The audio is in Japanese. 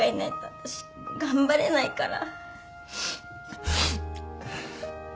私頑張れないから。